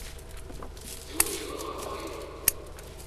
Deg wayyur ɣer wayeḍ.